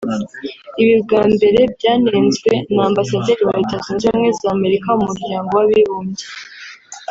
Ibi bwa mbere byanenzwe na Ambasaderi wa Leta zunze ubumwe z’Amerika mu muryango w’abibumbye